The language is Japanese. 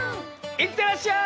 いってらっしゃい！